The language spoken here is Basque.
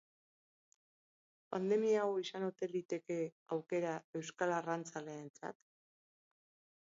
Pandemia hau izan ote liteke aukera euskal arrantzaleentzat?